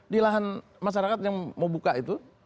di lahan masyarakat yang mau buka itu